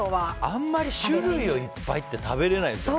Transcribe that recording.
あんまり種類をいっぱいって食べられないですよね。